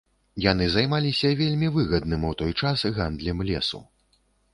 Яны займаліся вельмі выгадным у той час гандлем лесу.